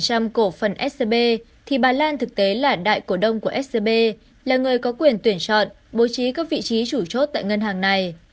trong cổ phần scb thì bà lan thực tế là đại cổ đông của scb là người có quyền tuyển chọn bố trí các vị trí chủ chốt tại ngân hàng này